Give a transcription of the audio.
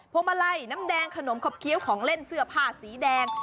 วงมาลัยน้ำแดงขนมขบเคี้ยวของเล่นเสื้อผ้าสีแดง